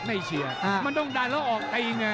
ไม่เชียร์มันต้องดันแล้วออกตีเนี่ย